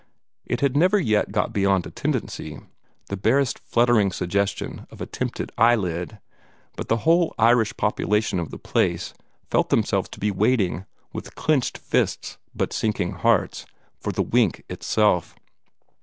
It had never yet got beyond a tendency the barest fluttering suggestion of a tempted eyelid but the whole Irish population of the place felt themselves to be waiting, with clenched fists but sinking hearts, for the wink itself.